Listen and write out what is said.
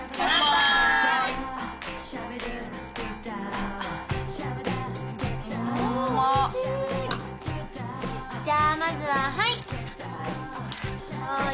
じゃあまずははい。